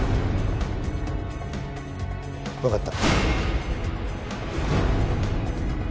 わかった。